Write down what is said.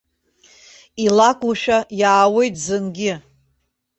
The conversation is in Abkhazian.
Илакәушәа иааиуеит, зынгьы.